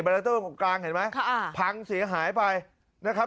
เตอร์ตรงกลางเห็นไหมค่ะพังเสียหายไปนะครับ